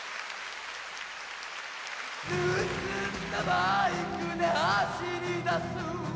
「盗んだバイクで走り出す」